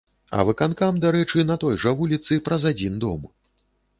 А выканкам, дарэчы, на той жа вуліцы, праз адзін дом.